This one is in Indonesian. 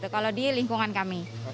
kalau di lingkungan kami